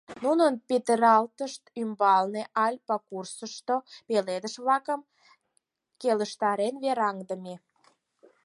Нунын петыртышышт ӱмбалне Альпа курыкысо пеледыш-влакым келыштарен вераҥдыме.